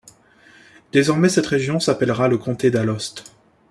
Désormais cette région s'appellera le comté d'Alost.